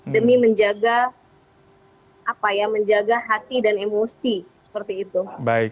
demi menjaga hati dan emosi